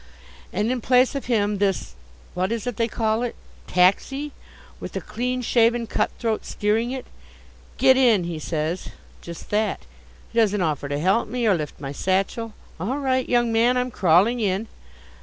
And in place of him this what is it they call it? taxi, with a clean shaven cut throat steering it. "Get in," he says, Just that. He doesn't offer to help me or lift my satchel. All right, young man, I'm crawling in.